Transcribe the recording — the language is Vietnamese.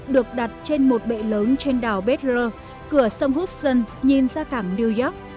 được đặt trên một bệ lớn trên đảo bethel cửa sông hudson nhìn ra cảng new york